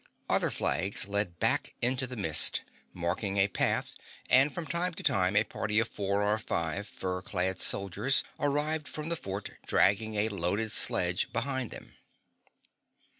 Other flags led back into the mist, marking a path, and from time to time a party of four or five fur clad soldiers arrived from the fort, dragging a loaded sledge behind them.